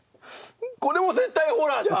これも絶対ホラーじゃん！